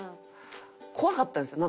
怖かったんですよ。